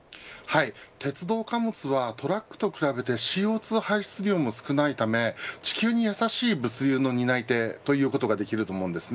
鉄道貨物はトラックと比べてＣＯ２排出量も少ないため地球にやさしい物流の担い手ということができます。